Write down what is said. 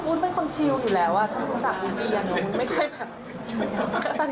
วุฒิเป็นคนชิวอยู่แล้วอ่ะเขาพูดจากวุฒิอียัง